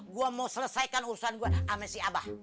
gue mau selesaikan urusan gue sama si abah